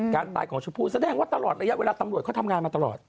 การตายของชมพู่แสดงว่าตลอดระยะเวลาตำรวจเขาทำงานมาตลอด